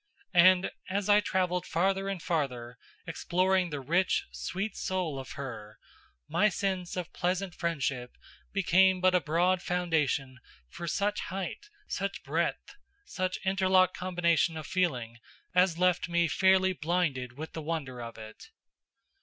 And, as I traveled farther and farther, exploring the rich, sweet soul of her, my sense of pleasant friendship became but a broad foundation for such height, such breadth, such interlocked combination of feeling as left me fairly blinded with the wonder of it.